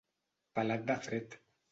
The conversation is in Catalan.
Pelat de fred.